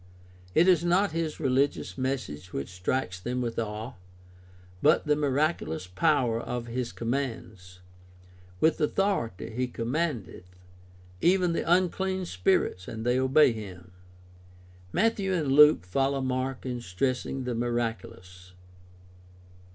It is not his religious message which strikes them with awe, but the miraculous power of his commands — "with authority he commandeth even the unclean spirits and they obey him" (Mark 1:22, 27). Matthew and Luke follow Mark in stress ing the miraculous.